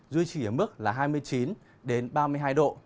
duy trì ở mức là hai mươi chín ba mươi hai độ